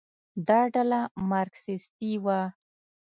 دا ډله مارکسیستي وه.